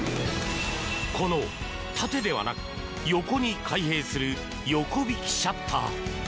この縦ではなく横に開閉する横引シャッター。